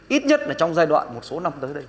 ít nhất là trong giai đoạn một số năm tới đây